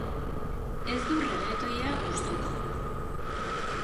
Ez dut reggaetoia gustuko.